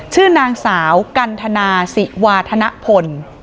ชื่อนางสาวกันทนาศิวาธนพล